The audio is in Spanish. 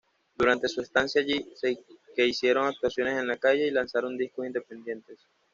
Durante su estancia allí, que hicieron actuaciones en la calle y lanzaron discos independientes.